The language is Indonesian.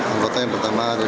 anggota yang pertama ada lima